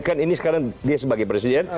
kan ini sekarang dia sebagai presiden